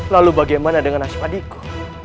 lalu bagaimana dengan nasib adikku